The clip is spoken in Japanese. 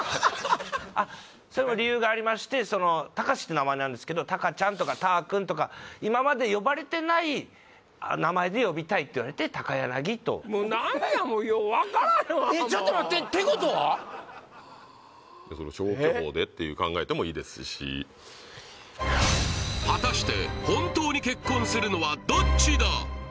あそれも理由がありまして「たかし」って名前なんですけど「たかちゃん」とか「たー君」とか今まで呼ばれてない名前で呼びたいって言われて「たかやなぎ」ともう何やもうよう分からんわちょっと待ってその消去法でって考えてもいいですし果たして